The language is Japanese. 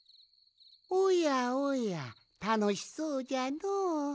おやおやたのしそうじゃのう。